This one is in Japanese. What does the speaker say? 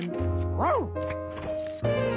ワン！